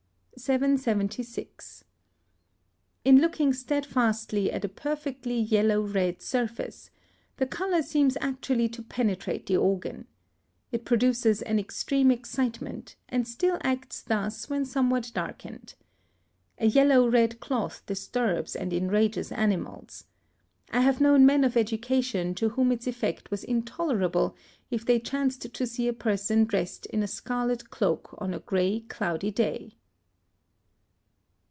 776. In looking steadfastly at a perfectly yellow red surface, the colour seems actually to penetrate the organ. It produces an extreme excitement, and still acts thus when somewhat darkened. A yellow red cloth disturbs and enrages animals. I have known men of education to whom its effect was intolerable if they chanced to see a person dressed in a scarlet cloak on a grey, cloudy day.